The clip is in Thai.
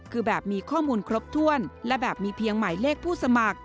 คือแบบมีข้อมูลครบถ้วนและแบบมีเพียงหมายเลขผู้สมัคร